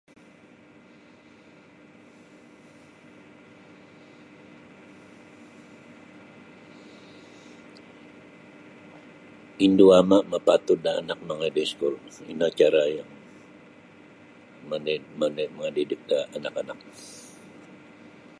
Indu' ama' mapatud da anak mongoi baiskul ino cara iyo mandi mandi dik mandidik da anak-anak.